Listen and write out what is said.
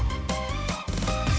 sampai jumpa lagi